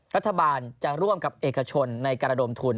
รัฐบาลจะร่วมกับเอกชนในการระดมทุน